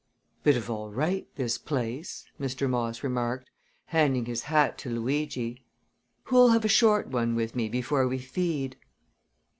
"Bit of all right this place!" Mr. Moss remarked, handing his hat to Luigi. "Who'll have a short one with me before we feed?"